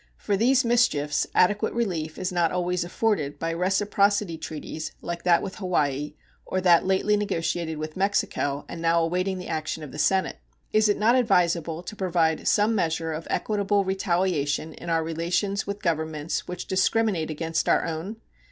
For these mischiefs adequate relief is not always afforded by reciprocity treaties like that with Hawaii or that lately negotiated with Mexico and now awaiting the action of the Senate. Is it not advisable to provide some measure of equitable retaliation in our relations with governments which discriminate against our own?